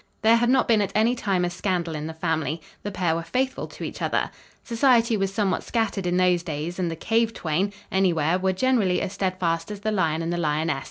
There had not been at any time a scandal in the family. The pair were faithful to each other. Society was somewhat scattered in those days, and the cave twain, anywhere, were generally as steadfast as the lion and the lioness.